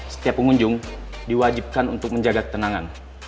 setiap pengunjung diwajibkan untuk menjaga ketenangan